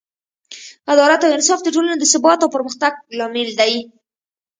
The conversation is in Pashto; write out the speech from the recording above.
عدالت او انصاف د ټولنې د ثبات او پرمختګ لامل دی.